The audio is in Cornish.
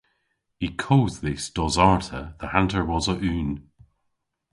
Y kodh dhis dos arta dhe hanter wosa unn.